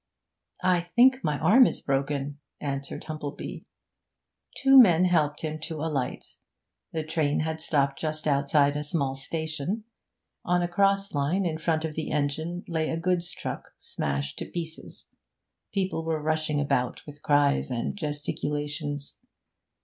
'I think my arm is broken,' answered Humplebee. Two men helped him to alight. The train had stopped just outside a small station; on a cross line in front of the engine lay a goods truck smashed to pieces; people were rushing about with cries and gesticulations.